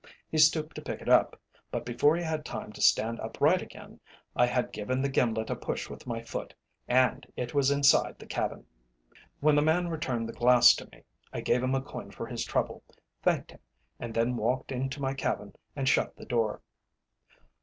He stooped to pick it up, but before he had time to stand upright again, I had given the gimlet a push with my foot, and it was inside the cabin. When the man returned the glass to me, I gave him a coin for his trouble, thanked him, and then walked into my cabin and shut the door.